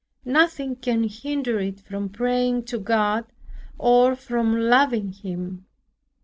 Nothing can hinder it from praying to God, or from loving Him.